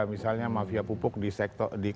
misalnya mafia pupuk di sektor di kedinas